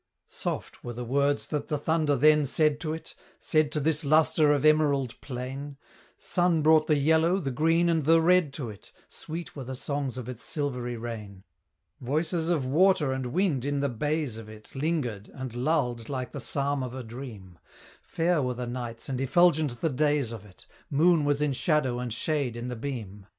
Soft were the words that the thunder then said to it Said to this lustre of emerald plain; Sun brought the yellow, the green, and the red to it Sweet were the songs of its silvery rain. Voices of water and wind in the bays of it Lingered, and lulled like the psalm of a dream. Fair were the nights and effulgent the days of it Moon was in shadow and shade in the beam.